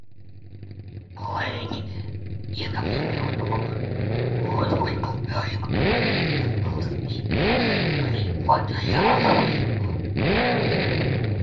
Kolēģi, ja nav iebildumu, lūdzu likumprojektu atbalstīt arī otrajā lasījumā.